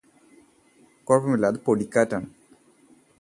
കുഴപ്പമില്ല അത് പൊടിക്കാറ്റാണ്